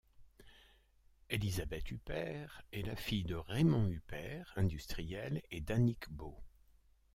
Élisabeth Huppert est la fille de Raymond Huppert, industriel, et d'Annick Beau.